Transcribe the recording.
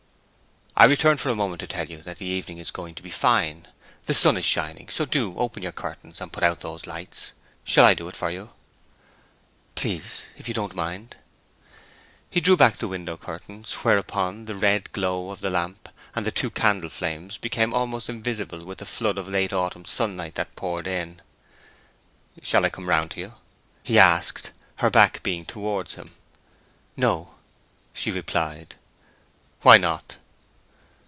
"I returned for a moment to tell you that the evening is going to be fine. The sun is shining; so do open your curtains and put out those lights. Shall I do it for you?" "Please—if you don't mind." He drew back the window curtains, whereupon the red glow of the lamp and the two candle flames became almost invisible with the flood of late autumn sunlight that poured in. "Shall I come round to you?" he asked, her back being towards him. "No," she replied. "Why not?"